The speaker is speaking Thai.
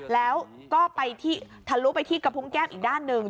แล้วก็ไปทะลุไปที่กระพุงแก้มอีกด้านหนึ่ง